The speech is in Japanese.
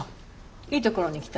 いいところに来た。